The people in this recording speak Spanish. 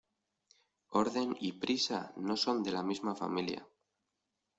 Orden y prisa no son de la misma familia.